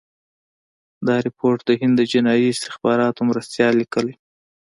دا رپوټ د هند د جنايي استخباراتو مرستیال لیکلی.